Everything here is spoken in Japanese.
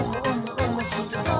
おもしろそう！」